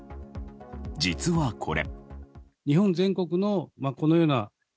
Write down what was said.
実はこれ。